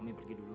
kami pergi dulu